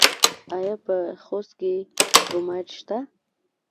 آیا په خوست کې کرومایټ شته؟